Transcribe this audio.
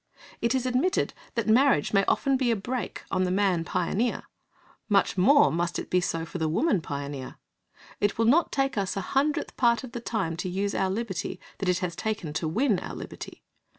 It is admitted that marriage may often be a brake on the man pioneer; much more must it be so for the woman pioneer. It will not take us a hundredth part of the time to use our liberty that it has taken to win our liberty.